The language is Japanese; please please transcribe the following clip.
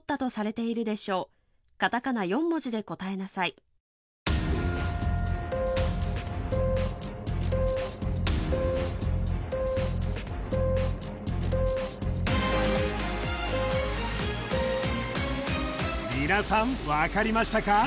こちら皆さん分かりましたか？